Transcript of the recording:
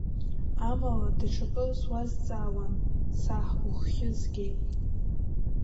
Амала, даҽакы суазҵаауан, саҳ, уххь згеит!